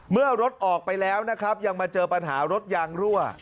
เมื่อรถออกไปแล้วนะครับยังมาเจอปัญหารถยางรั่ว